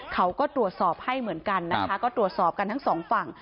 เขาก็ตรวจสอบให้เหมือนกันนะคะก็ตรวจสอบกันทั้งสองฝั่ง